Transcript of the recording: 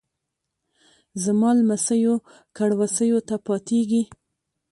زما لمسیو کړوسیو ته پاتیږي